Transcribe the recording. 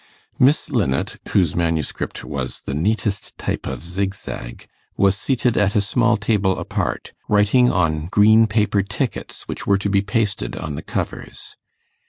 Miss Linnet, whose manuscript was the neatest type of zigzag, was seated at a small table apart, writing on green paper tickets, which were to be pasted on the covers.